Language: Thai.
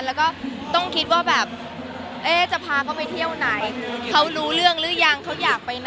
แล้วก็ต้องคิดว่าแบบจะพาเขาไปเที่ยวไหนเขารู้เรื่องหรือยังเขาอยากไปไหน